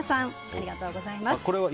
ありがとうございます。